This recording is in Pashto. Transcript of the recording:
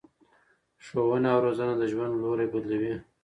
ښوونه او روزنه د ژوند لوری بدلوي.